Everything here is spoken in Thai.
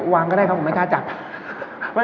ว่างก็ได้ครับ